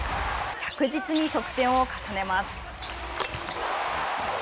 着実に得点を重ねます。